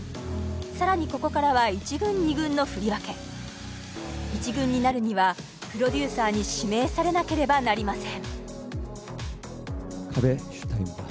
更にここからは１軍になるにはプロデューサーに指名されなければなりません